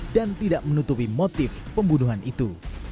dan tidak menutupi motif pembunuhan itu